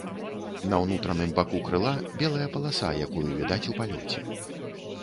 На ўнутраным баку крыла белая паласа, якую відаць у палёце.